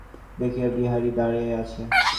কথা শেষ না হইতেই বিনোদিনী দেখিল, বিহারী দাঁড়াইয়া আছে।